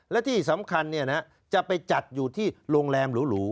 และที่สำคัญจะไปจัดอยู่ที่โรงแรมหรู